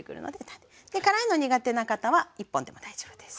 辛いの苦手な方は１本でも大丈夫です。